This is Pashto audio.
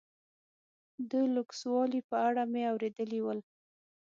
د لوکسوالي په اړه مې اورېدلي ول.